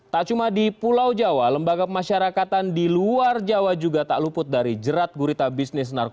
tak cuma di pulau jawa lembaga pemasyarakatan di luar jawa juga tak luput dari jerat gurita bisnis narkoba